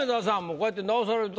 こうやって直されると。